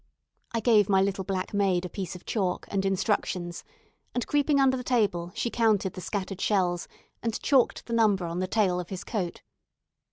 I gave my little black maid a piece of chalk, and instructions; and creeping under the table, she counted the scattered shells, and chalked the number on the tail of his coat.